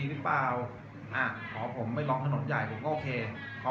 แต่ว่าเมืองนี้ก็ไม่เหมือนกับเมืองอื่น